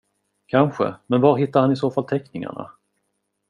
Kanske, men var hittade han i så fall teckningarna?